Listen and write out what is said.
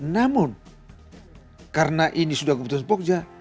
namun karena ini sudah keputusan pogja